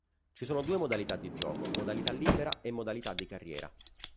Ci sono due modalità di gioco: modalità libera e modalità di carriera.